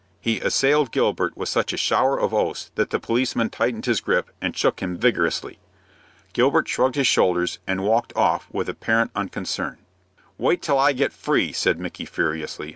He assailed Gilbert with such a shower of oaths that the policeman tightened his grip, and shook him vigorously. Gilbert shrugged his shoulders, and walked off with apparent unconcern. "Wait till I get free," said Micky, furiously.